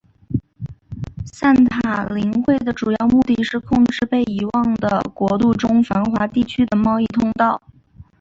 散塔林会的主要目的是控制被遗忘的国度中繁华地区的贸易通道。